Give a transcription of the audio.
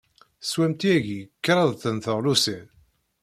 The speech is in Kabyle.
Teswamt yagi kraḍt n teɣlusin.